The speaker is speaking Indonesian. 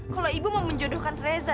kalau ibu mau menjodohkan reza